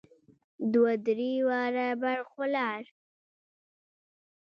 دوه درې واره برق ولاړ.